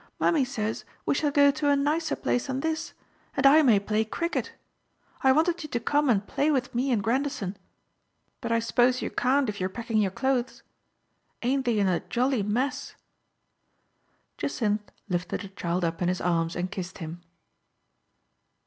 Mummy says we shall go to a nicer place than this. And I may play cricket. I wanted you to come and play with me and Grandison. But I s'pose you can't Digitized by Google 40 THE FATE OF FENELLA, if you're packing your clothes. Aint they in a jolly mess ?" Jacynth lifted the child up in his arms and kissed him.